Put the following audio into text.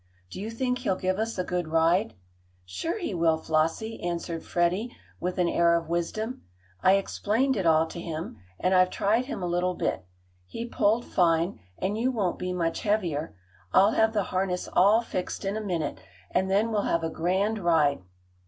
"Do you think he'll give us a good ride?" "Sure he will, Flossie," answered Freddie with an air of wisdom. "I explained it all to him, and I've tried him a little bit. He pulled fine, and you won't be much heavier. I'll have the harness all fixed in a minute, and then we'll have a grand ride."